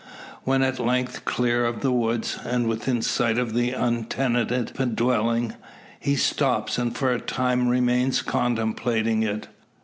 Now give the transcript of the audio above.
When at length clear of the woods, and within sight of the untenanted dwelling, he stops, and for a time remains contemplating it.